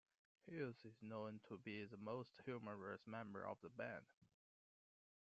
Hughes is known to be the most humorous member of the band.